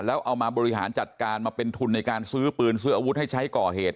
แล้วเอามาบริหารจัดการมาเป็นทุนในการซื้อปืนซื้ออาวุธให้ใช้ก่อเหตุ